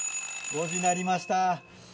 ５時なりました。